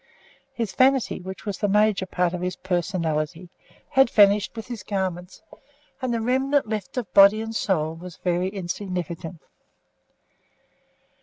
His vanity, which was the major part of his personality, had vanished with his garments, and the remnant left of body and soul was very insignificant.